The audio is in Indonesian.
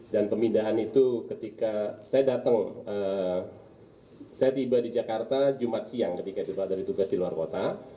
dan pemindahan itu ketika saya datang saya tiba di jakarta jumat siang ketika tiba dari tugas di luar kota